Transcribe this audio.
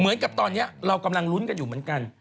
เหมือนกับตอนนี้เรากำลังลุ้นกันอยู่เหมือนกัน